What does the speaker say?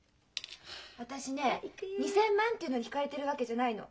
私ね２，０００万っていうのにひかれてるわけじゃないの。